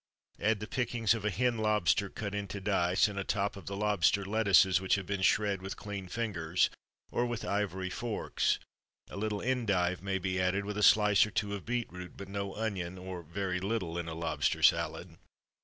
Add the pickings of a hen lobster cut into dice, and atop of the lobster, lettuces which have been shred with clean fingers, or with ivory forks; a little endive may be added, with a slice or two of beetroot; but no onion (or very little) in a lobster salad.